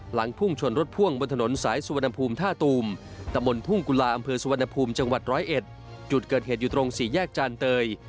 หลังพุ่งชนรถพ่วงบนถนนสายสวนภูมิท่าตูมตำรวจพุ่งกุลาอำเภอสวนภูมิจังหวัด๑๐๑จุดเกิดเหตุอยู่ตรง๔แยกจานเตย